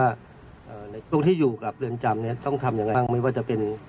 เรียนจำเนี้ยต้องทำยังไงไม่ว่าจะเป็น